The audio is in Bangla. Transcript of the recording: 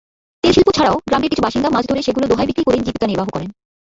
তেল শিল্প ছাড়াও গ্রামটির কিছু বাসিন্দা মাছ ধরে সেগুলো দোহায় বিক্রি করে জীবিকা নির্বাহ করেন।